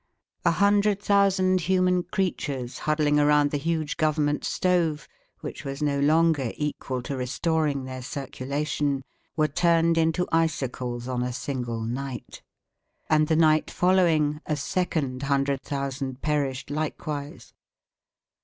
A hundred thousand human creatures huddling around the huge government stove, which was no longer equal to restoring their circulation, were turned into icicles in a single night; and the night following, a second hundred thousand perished likewise.